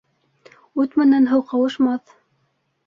Ут менән һыу ҡауышмаҫ.